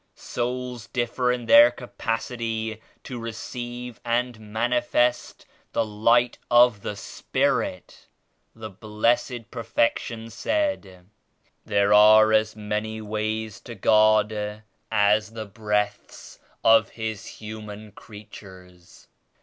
"Souls differ in their capacity to receive and manifest the Light of the Spirit. The Blessed Perfection said 'There are as many ways to God as the breaths of His human creatures.'